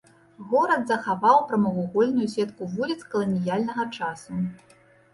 Горад захаваў прамавугольную сетку вуліц каланіяльнага часу.